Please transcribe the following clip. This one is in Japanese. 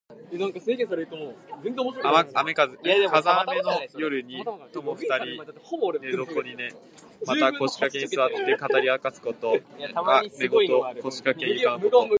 風雨の夜に友二人が寝台に寝、またはこしかけにすわって語りあかすこと。「牀」は寝台・こしかけ・ゆかのこと。